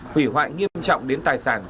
hủy hoại nghiêm trọng đến tài sản